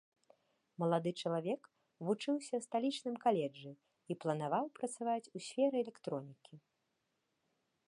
Малады чалавек вучыўся ў сталічным каледжы і планаваў працаваць у сферы электронікі.